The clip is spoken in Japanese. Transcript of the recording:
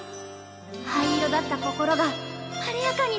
灰色だった心が晴れやかになってきた！